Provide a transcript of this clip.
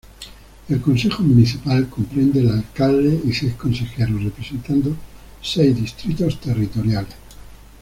El consejo municipal comprende el alcalde y seis consejeros representando seis distritos territoriales.